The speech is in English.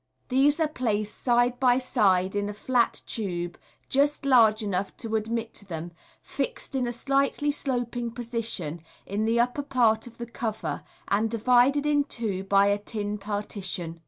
These are placed side by side in a flat tube, just large enough to admit them, fixed in a slightly sloping position in the upper part of the cover, and divided in two by a tin partition.